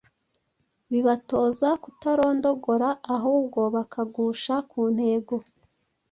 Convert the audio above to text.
Bibatoza kutarondogora ahubwo bakagusha ku ntego